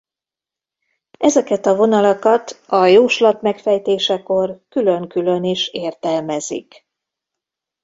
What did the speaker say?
Ezeket a vonalakat a jóslat megfejtésekor külön-külön is értelmezik.